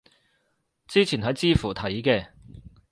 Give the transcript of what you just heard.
之前喺知乎睇嘅